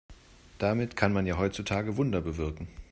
Damit kann man ja heutzutage Wunder bewirken.